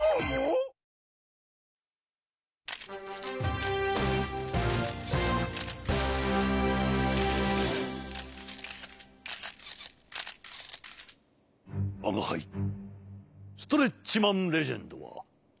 わがはいストレッチマン・レジェンドはほんじつ。